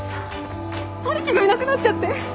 春樹がいなくなっちゃって。